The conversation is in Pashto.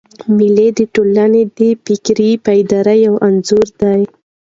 مېلې د ټولني د فکري بیدارۍ یو انځور دئ.